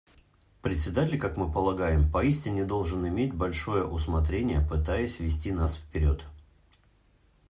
Председатель, как мы полагаем, поистине должен иметь большое усмотрение, пытаясь вести нас вперед.